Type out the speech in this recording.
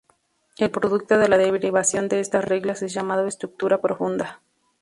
El producto de la derivación de estas reglas es llamado estructura profunda.